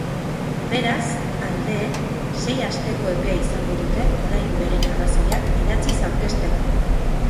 Beraz, aldeek sei asteko epea izango dute orain beren arrazoiak idatziz aurkezteko.